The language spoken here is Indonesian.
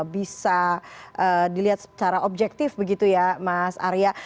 bisa dilihat secara objektif begitu ya mas arya